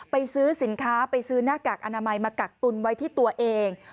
ไปซื้อสินค้าไปซื้อหน้ากากอนามัยมากักตุนไว้ที่ตัวเอง